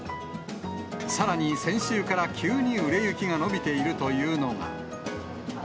さらに先週から急に売れ行きが伸びているというのが。